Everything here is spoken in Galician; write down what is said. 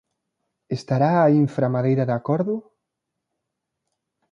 ¿Estará a inframadeira de acordo?